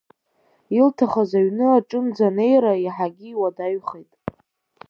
Илҭахыз аҩны аҿынӡа анеира иаҳагьы иуадаҩхеит.